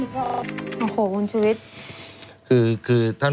พอนุก็เลยแทง